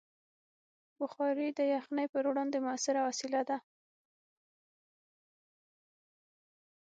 بخاري د یخنۍ پر وړاندې مؤثره وسیله ده.